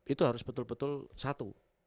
itu harus betul betul satu